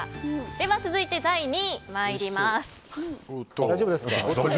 では続いて第２位に参ります。